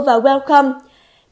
và hội đồng nghiên cứu châu âu